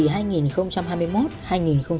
tầm nhìn đến năm hai nghìn năm mươi với mục tiêu